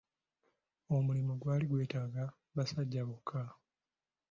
Omulimu gwali gwetaaga basajja bokka.